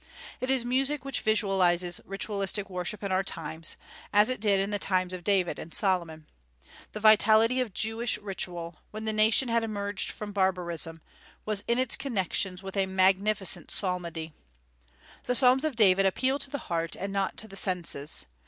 It is music which vitalizes ritualistic worship in our times, as it did in the times of David and Solomon. The vitality of the Jewish ritual, when the nation had emerged from barbarism, was in its connections with a magnificent psalmody. The Psalms of David appeal to the heart and not to the senses.